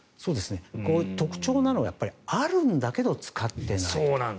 特徴なのがあるんだけど使ってない。